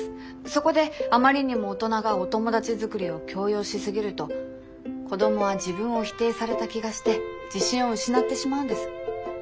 そこであまりにも大人がお友達作りを強要しすぎると子どもは自分を否定された気がして自信を失ってしまうんです。